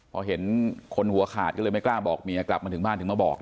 พอเห็นคนหัวขาดก็เลยไม่กล้าบอกเมียกลับมาถึงบ้านถึงมาบอก